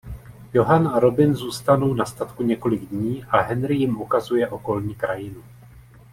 Johann a Robin zůstanou na statku několik dní a Henri jim ukazuje okolní krajinu.